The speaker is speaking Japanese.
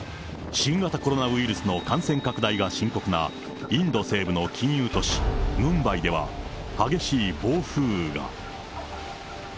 新型コロナウイルスの感染拡大が深刻なインド西部の金融都市、ムンバイでは、激しい暴風雨が。